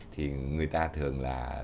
thì người ta thường là